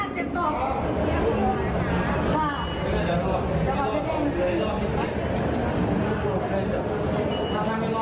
นี่ค่ะงงมั้ยคะ